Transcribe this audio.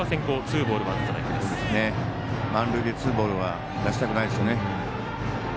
満塁でツーボールは出したくないですね。